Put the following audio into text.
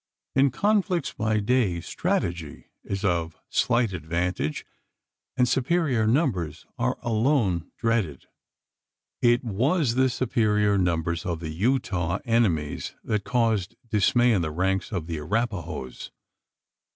In conflicts by day, strategy is of slight advantage, and superior numbers are alone dreaded. It was the superior numbers of their Utah enemies that caused dismay in the ranks of the Arapahoes.